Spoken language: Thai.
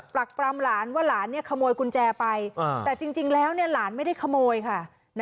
ปรักปรำหลานว่าหลานขโมยกุญแจไปแต่จริงแล้วหลานไม่ได้ขโมยค่ะ